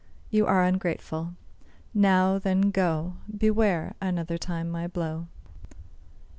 You are ungrateful. Now, then, go; Beware, another time, my blow."